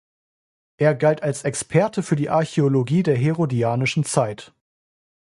Er galt als Experte für die Archäologie der herodianischen Zeit.